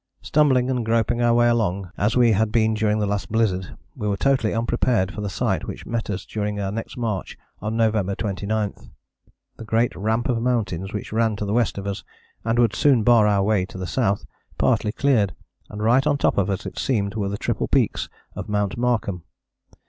Stumbling and groping our way along as we had been during the last blizzard we were totally unprepared for the sight which met us during our next march on November 29. The great ramp of mountains which ran to the west of us, and would soon bar our way to the South, partly cleared: and right on top of us it seemed were the triple peaks of Mount Markham.